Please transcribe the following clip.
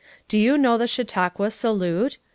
Do you know the Chautauqua salute?